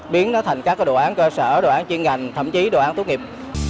biến nó thành các đồ án cơ sở đồ án chuyên ngành thậm chí đồ án tốt nghiệp